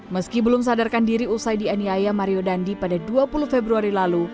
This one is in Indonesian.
meski belum sadarkan diri usai dianiaya mario dandi pada dua puluh februari lalu